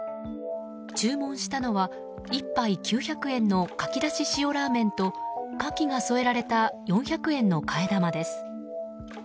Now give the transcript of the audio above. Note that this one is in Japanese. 注文したのは１杯９００円の牡蠣出汁塩ラーメンと牡蠣が添えられた４００円の替え玉です。